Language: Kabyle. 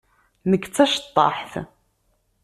Nekk d taceṭṭaḥt.